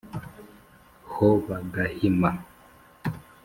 ho ba gahima